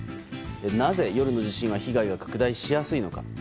なぜ、夜の地震は被害が拡大しやすいのか。